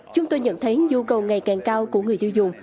chúng tôi nhận thấy nhu cầu ngày càng cao của người tiêu dùng